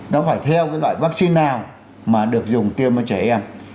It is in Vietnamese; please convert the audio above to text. nó phải theo cái loại vaccine nào mà được dùng tiêm cho trẻ em